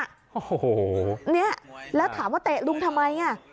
โอ้โหเนี่ยแล้วถามว่าเตะลุงทำไมอ่ะ